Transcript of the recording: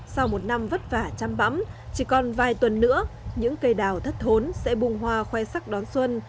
sau một năm vất vả chăm bẫm chỉ còn vài tuần nữa những cây đào thất thốn sẽ bung hoa khoe sắc đón xuân